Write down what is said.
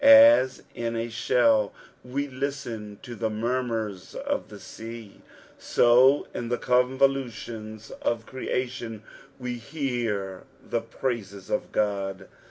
As in a shell we listen to the munnurs of the sea, so in the convoiulions of creation we hear the praises of God.